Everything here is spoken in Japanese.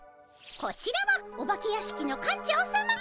こちらはお化け屋敷の館長さま。